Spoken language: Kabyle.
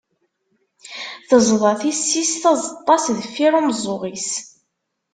Tezḍa tisist azeṭṭa-s deffir umeẓẓuɣ-is.